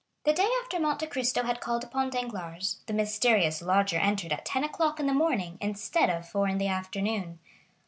The day after Monte Cristo had called upon Danglars, the mysterious lodger entered at ten o'clock in the morning instead of four in the afternoon.